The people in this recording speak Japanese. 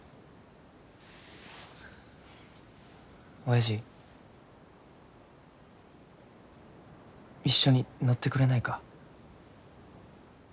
おやじ一緒に乗ってくれないか。